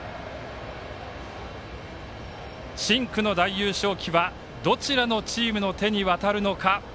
深紅の大優勝旗はどちらのチームの手に渡るのか。